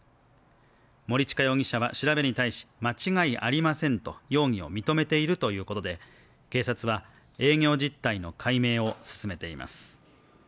森近容疑者は調べに対し間違いありませんと容疑を認めているということで警察は営業実態の解明を進めています。